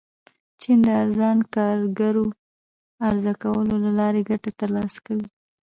چین د ارزانه کارګرو عرضه کولو له لارې ګټه ترلاسه کوي.